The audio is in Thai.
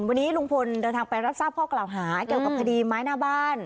วันนี้ลุงพลเดินทางไปรับทราบข้อกล่าวหาเกี่ยวกับคดีไม้หน้าบ้าน